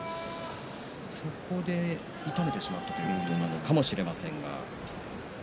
そこで痛めてしまったということかもしれません。